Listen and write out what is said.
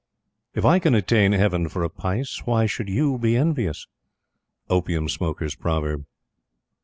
"If I can attain Heaven for a pice, why should you be envious?" Opium Smoker's Proverb.